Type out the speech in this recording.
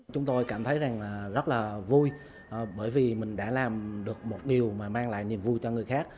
chúng tôi cảm thấy rằng là rất là vui bởi vì mình đã làm được một điều mà mang lại niềm vui cho người khác